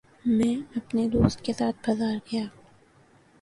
میں اپنے دوست کے ساتھ بازار گیا